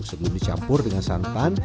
sebelum dicampur dengan santan